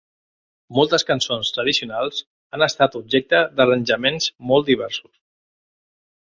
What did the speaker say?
Moltes cançons tradicionals han estat objecte d'arranjaments molt diversos.